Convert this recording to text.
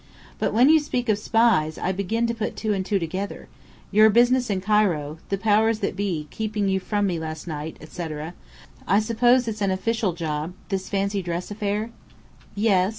But when you speak of spies, I begin to put two and two together your business in Cairo the powers that be, keeping you from me last night, etc. I suppose it's an official job, this fancy dress affair?" "Yes.